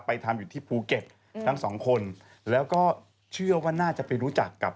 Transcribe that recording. ทำอยู่ที่ภูเก็ตทั้งสองคนแล้วก็เชื่อว่าน่าจะไปรู้จักกับ